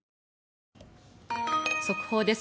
速報です。